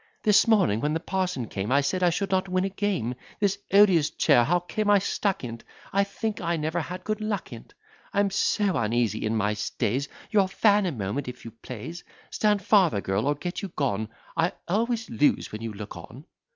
"This morning, when the parson came, I said I should not win a game. This odious chair, how came I stuck in't? I think I never had good luck in't. I'm so uneasy in my stays: Your fan, a moment, if you please. Stand farther, girl, or get you gone; I always lose when you look on."